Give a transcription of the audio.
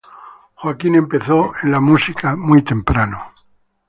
Joaquín empezó en la música muy temprano.